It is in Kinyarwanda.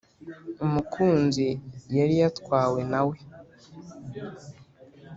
Umukunzi yari yatwawe nawe,